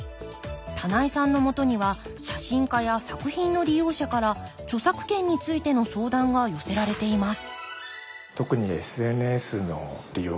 棚井さんのもとには写真家や作品の利用者から著作権についての相談が寄せられています